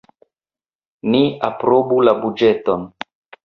Ni aprobu la buĝeton.